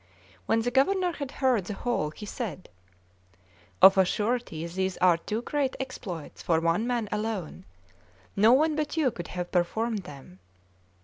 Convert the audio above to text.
When the Governor had heard the whole, he said: "Of a surety these are too great exploits for one man alone; no one but you could have performed them."